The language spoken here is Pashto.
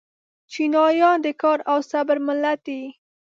چینایان د کار او صبر ملت دی.